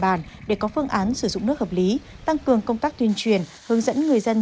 bàn để có phương án sử dụng nước hợp lý tăng cường công tác tuyên truyền hướng dẫn người dân